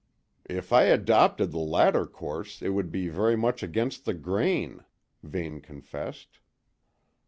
"If I adopted the latter course, it would be very much against the grain," Vane confessed.